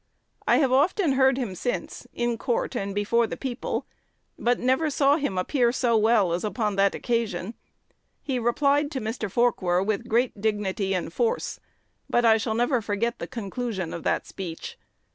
I have often heard him since, in court and before the people, but never saw him appear so well as upon that occasion. He replied to Mr. Forquer with great dignity and force; but I shall never forget the conclusion of that speech.